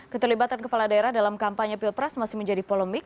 keterlibatan kepala daerah dalam kampanye pilpres masih menjadi polemik